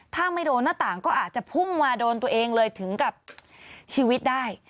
ถ้าไม่โดนหน้าต่างก็อาจจะพุ่งมาโดนตัวเองเลยถึงกับชีวิตได้